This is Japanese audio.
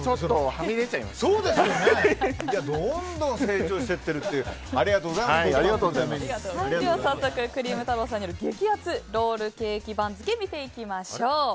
早速クリーム太朗さんによる“激アツ”ロールケーキ番付見ていきましょう。